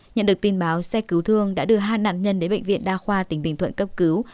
nhận được tin báo xe cứu thương đã đưa hai nạn nhân đến bệnh viện đa khoa tỉnh bình thuận cấp cứu